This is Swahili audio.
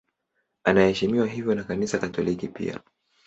Anaheshimiwa hivyo na Kanisa Katoliki pia.